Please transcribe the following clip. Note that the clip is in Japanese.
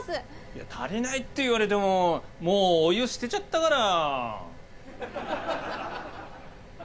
いや足りないって言われてももうお湯捨てちゃったから。